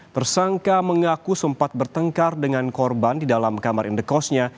tersangka mengaku sempat bertengkar dengan korban di dalam kamar indekosnya